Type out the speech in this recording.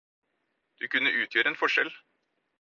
Du kunne utgjøre en forskjell